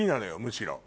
むしろ。